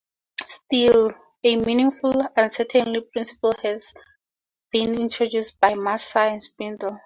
Still, a meaningful uncertainty principle has been introduced by Massar and Spindel.